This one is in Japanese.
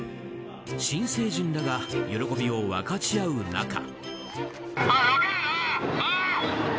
新成人らが喜びを分かち合う中。